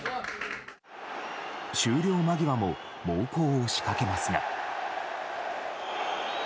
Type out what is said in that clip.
終了間際も猛攻を仕掛けますが。